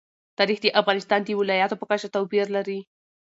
تاریخ د افغانستان د ولایاتو په کچه توپیر لري.